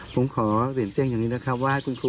ผมขอเรียนเจ้งอย่างนี้นะครับว่า